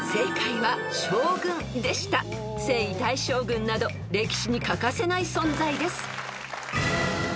［征夷大将軍など歴史に欠かせない存在です］